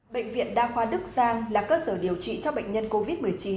bệnh viện đa khoa đức giang là cơ sở điều trị cho bệnh nhân covid một mươi chín